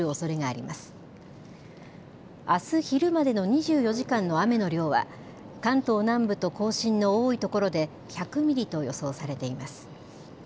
あす昼までの２４時間の雨の量は関東南部と甲信の多いところで１００ミリと予想されています。